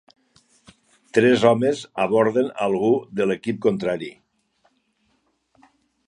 Tres homes aborden algú de l'equip contrari.